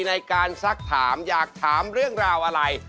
ในการซักถามอยากถามเรื่องราวอะไร